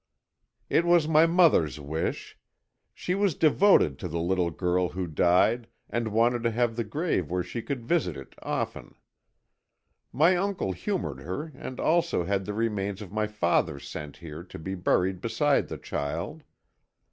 "It was my mother's wish. She was devoted to the little girl who died and wanted to have the grave where she could visit it often. My uncle humoured her and also had the remains of my father sent here to be buried beside the child.